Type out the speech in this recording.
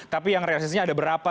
tapi yang realisasinya ada berapa